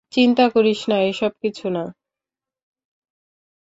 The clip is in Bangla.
চিন্তা করিস না, এসব কিছু না।